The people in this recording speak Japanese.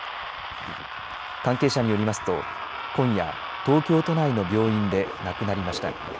関係者によりますと今夜、東京都内の病院で亡くなりました。